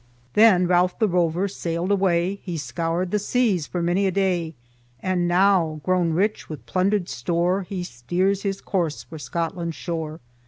Then "Ralph the Rover sailed away; he scoured the seas for many a day; and now, grown rich with plundered store, he steers his course for Scotland's shore."